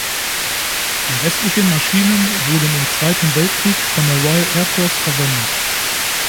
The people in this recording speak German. Die restlichen Maschinen wurden im Zweiten Weltkrieg von der Royal Air Force verwendet.